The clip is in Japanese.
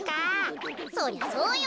そりゃそうよ。